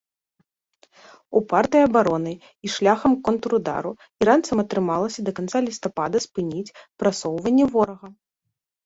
Упартай абаронай і шляхам контрудару іранцам атрымалася да канца лістапада спыніць прасоўванне ворага.